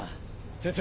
先生。